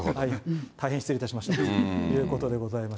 大変失礼いたしましたということで。